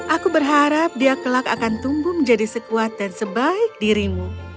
aku berharap dia kelak akan tumbuh menjadi sekuat dan sebaik dirimu